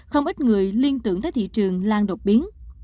không ít người liên tưởng tới thị trường lan đột biến